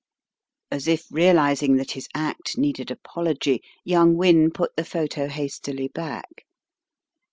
As if realizing that his act needed apology, young Wynne put the photo hastily back.